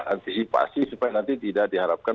antisipasi supaya nanti tidak diharapkan